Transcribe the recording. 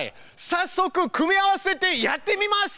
さっそく組み合わせてやってみます。